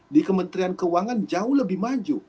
di kementerian keuangan jauh lebih maju